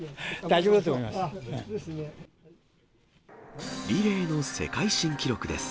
大丈夫だと思います。